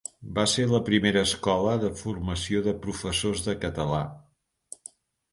Va ser la primera escola de formació de professores de català.